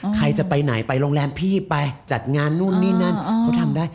ใครจะไปไหนไปโรงแรมพี่ไปจัดงานนู่นนี่นั่นเขาทำได้